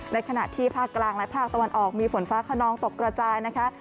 ในขณะที่ภาคกลางและภาคตะวันออกมีฝนฟ้าขนองตกกระจายนะคะ